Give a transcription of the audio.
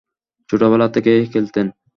ছোটবেলা থেকেই খেলতেন?